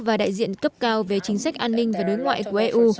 và đại diện cấp cao về chính sách an ninh và đối ngoại của eu